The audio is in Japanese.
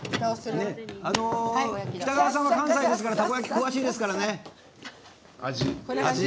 北川さんは関西ですからタコ焼き、詳しいですからね。